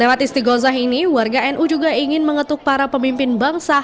lewat istiqosah ini warga nu juga ingin mengetuk para pemimpin bangsa